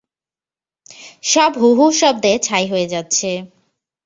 সব হু হু শব্দে ছাই হয়ে যাচ্ছে।